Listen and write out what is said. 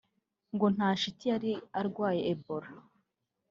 ngo nta shiti yari arwaye Ebola